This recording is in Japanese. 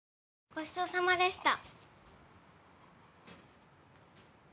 ごちそうさまでした。